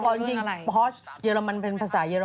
ก็กูอาจจะพอร์ชเยอรมันปลืงภาษาเยอรมัน